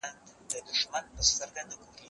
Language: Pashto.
که وخت وي، سينه سپين کوم؟